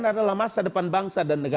adalah masa depan bangsa dan negara